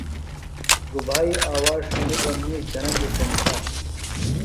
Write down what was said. گُبھائی آواز ݜُݨی بہ مِیش دھرندیۡ تھےۡ نِکھاتوۡ۔